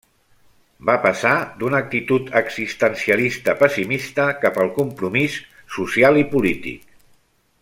Va passar d'una actitud existencialista pessimista cap al compromís social i polític.